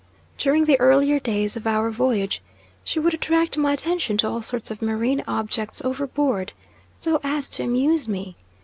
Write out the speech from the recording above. During the earlier days of our voyage she would attract my attention to all sorts of marine objects overboard, so as to amuse me.